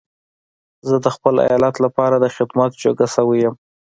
زه د خپل ايالت لپاره د خدمت جوګه شوی يم.